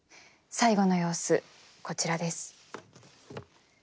最期の様子こちらです。